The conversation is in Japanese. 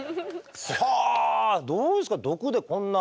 はあどうですか毒でこんな。